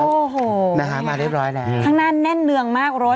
โอ้โหมาเรียบร้อยข้างนั้นแน่นเนืองมากรถ